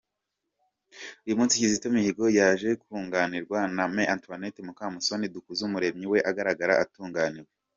Uyu munsi Kizito yaje yunganiwe na Me Antoinette Mukamusoni, Dukuzumuremyi we agaragara atunganiwe.